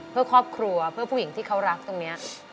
เพื่อครอบครัวเพื่อผู้หญิงที่เขารักตรงนี้